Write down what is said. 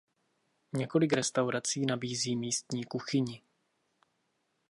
Několik restaurací nabízí místní kuchyni.